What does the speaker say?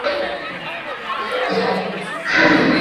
Madoadoa meusi kwenye ngozi